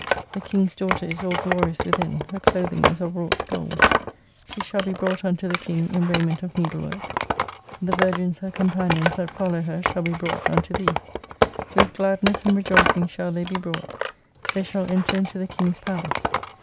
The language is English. The King's daughter is all glorious within, her clothing is of wrought gold. She shall be brojight unto the King in raiment of needlework, the virgins her 220 companions that follow her shall be hrought unto Thee. With gladness and rejoicing shall they be brought^ they shall enter into the King's Palace.